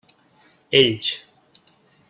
Ells.